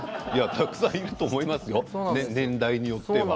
たくさんいると思いますよ、年代によっては。